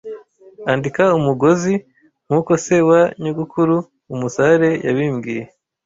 Andika umugozi, nkuko se wa nyogokuru umusare yabimbwiye.